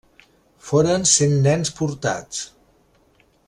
Foren cent nens portats.